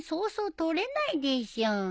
撮れないでしょう。